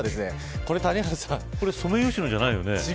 これソメイヨシノじゃないよね。